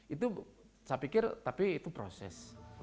itu saya pikir tapi itu proses